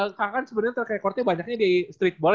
kakak kan sebenernya terrekordnya banyaknya di streetball